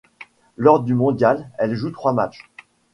Lors du mondial, elle joue trois matchs.